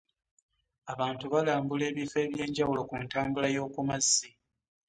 Abantu balambula ebifo eby'enjawulo ku ntambula yokumazzi